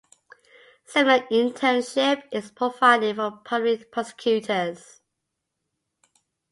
Similar internship is provided for public prosecutors.